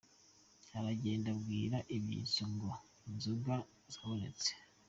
Aragenda abwira Ibishyito ko inzoga zabonetse.